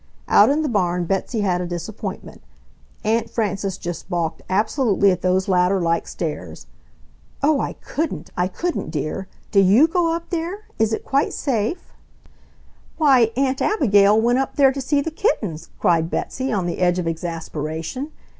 Out in the barn Betsy had a disappointment. Aunt Frances just balked absolutely at those ladder like stairs—"Oh, I COULDN'T! I couldn't, dear. Do YOU go up there? Is it quite safe?" "Why, AUNT ABIGAIL went up there to see the kittens!" cried Betsy, on the edge of exasperation.